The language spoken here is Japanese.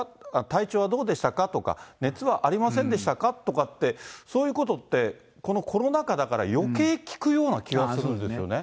体調はどうでしたか？とか、熱はありませんでしたか？とかって、そういうことって、このコロナ禍だから、よけい聞くような気がするんですよね。